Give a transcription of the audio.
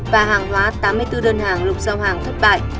và hàng hóa tám mươi bốn đơn hàng lục giao hàng thất bại